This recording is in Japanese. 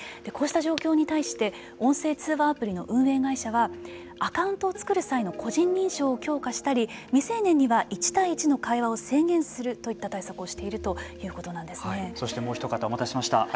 こうした状況に対して音声通話アプリの運営会社はアカウントを作る際の個人認証を強化したり未成年には１対１の会話を制限するといった対策をしているそしてもうひと方お待たせしました。